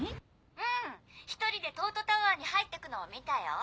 うん１人で東都タワーに入ってくのを見たよ。